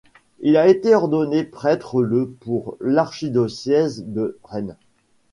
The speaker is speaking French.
Il a été ordonné prêtre le pour l'archidiocèse de Rennes.